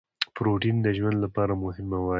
پروټین د ژوند لپاره مهم مواد دي